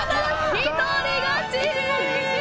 一人勝ち！